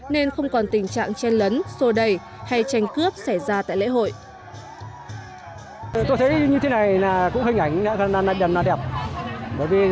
nên không còn tình trạng chen lấn sô đẩy hay tranh cướp xảy ra tại lễ hội